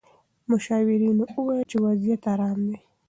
مشاورینو وویل چې وضعیت ارام دی.